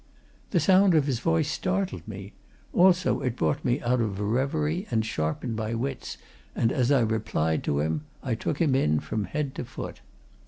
The sound of his voice startled me; also, it brought me out of a reverie and sharpened my wits, and as I replied to him, I took him in from head to foot.